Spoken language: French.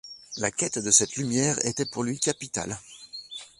La quête de cette lumière était pour lui capitale.